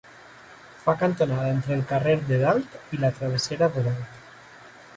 Fa cantonada entre el carrer de Dalt i la travessera de Dalt.